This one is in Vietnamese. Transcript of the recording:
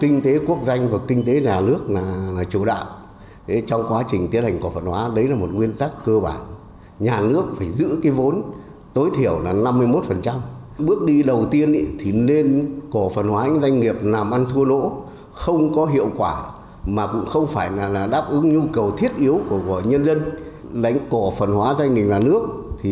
nguyên tổng bí thư đỗ mười vì quá trình cổ phần hóa doanh nghiệp của ta giống như người chống gậy lội nước